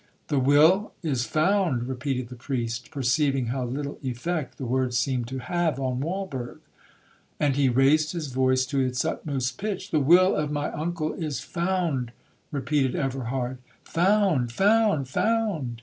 'The will is found!' repeated the priest, perceiving how little effect the words seemed to have on Walberg,—and he raised his voice to its utmost pitch. 'The will of my uncle is found,' repeated Everhard. 'Found,—found,—found!'